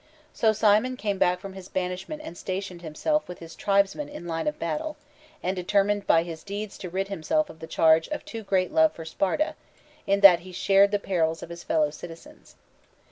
So Cimon came back from his banishment and stationed himself with his tribesmen in line of battle, and determined by his deeds to rid himself of the charge of too great love for Sparta, in that he shared the perils of his fellow citizens..